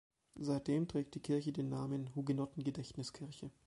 Seitdem trägt die Kirche den Namen "Hugenotten-Gedächtniskirche".